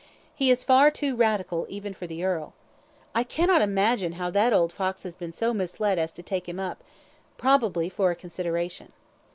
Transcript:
He is far too Radical even for the earl. I cannot imagine how that old fox has been so misled as to take him up probably for a consideration.